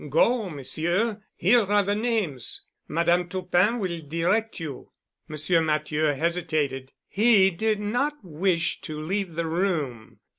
Go, Monsieur. Here are the names. Madame Toupin will direct you." Monsieur Matthieu hesitated. He did not wish to leave the room.